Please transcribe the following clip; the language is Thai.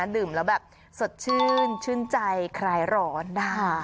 ดื่มแล้วแบบสดชื่นชื่นใจคลายร้อนนะคะ